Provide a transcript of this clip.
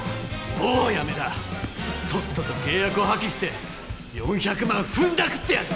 もうやめだとっとと契約を破棄して４００万ふんだくってやる！